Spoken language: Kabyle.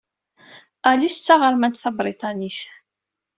Alice d taɣermant tabriṭanit.